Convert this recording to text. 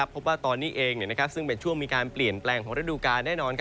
พบว่าตอนนี้เองซึ่งเป็นช่วงมีการเปลี่ยนแปลงของฤดูกาลแน่นอน